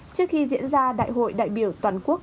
trước khi diễn ra đại hội đại biểu toàn quốc